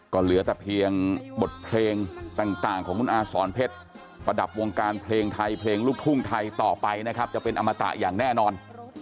ก็เหลือแต่เพียงบทเพลงต่างของคุณอาสอนเพชรประดับวงการเพลงไทยเพลงลูกทุ่งไทยต่อไปนะครับจะเป็นอมตะอย่างแน่นอน